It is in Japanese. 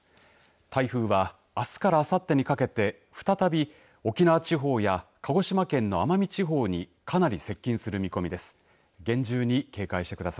台風はあすからあさってにかけて再び沖縄地方や鹿児島県の奄美地方にかなり接近する見込みです。